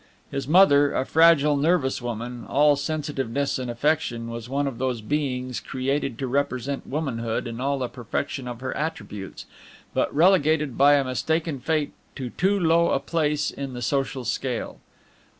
His mother, a fragile, nervous woman, all sensitiveness and affection, was one of those beings created to represent womanhood in all the perfection of her attributes, but relegated by a mistaken fate to too low a place in the social scale.